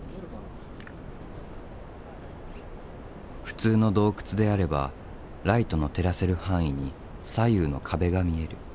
普通の洞窟であればライトの照らせる範囲に左右の壁が見える。